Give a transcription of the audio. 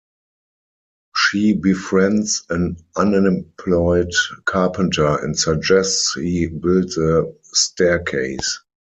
She befriends an unemployed carpenter and suggests he build the staircase.